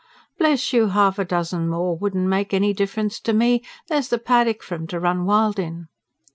"Bless you! half a dozen more wouldn't make any difference to me. There's the paddock for 'em to run wild in."